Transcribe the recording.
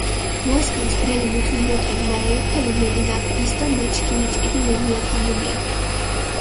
მუასქანს ბრელი მუთუნ დუტებ, მარა ირფელი მედინაფჷ ის დო მა ჩქიმი ჭკიდი მემიჸოთამუნია.